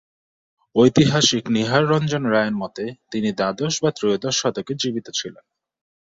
ঐতিহাসিক নীহাররঞ্জন রায়ের মতে তিনি দ্বাদশ বা ত্রয়োদশ শতকে জীবিত ছিলেন।